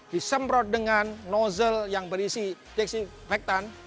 disemprot dengan nozzle yang berisi desinfektan